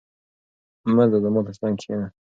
مه ځه، زما تر څنګ کښېنه.